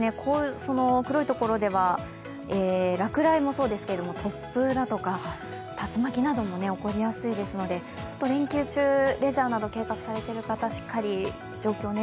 黒いところでは落雷もそうですけれども突風だとか竜巻なども起こりやすいですので連休中、レジャーなど計画されている方、しっかりと状況を